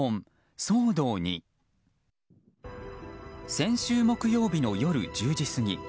先週木曜日の夜１０時過ぎ。